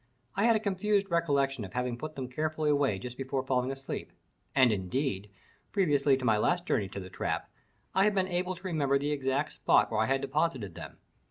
I had a confused recollection of having put them carefully away just before falling asleep; and, indeed, previously to my last journey to the trap, I had been able to remember the exact spot where I had deposited them.